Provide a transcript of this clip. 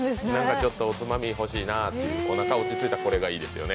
ちょっとおつまみ欲しいな、おなか落ち着いたらこれがいいですね。